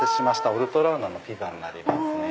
オルトラーナのピザになります。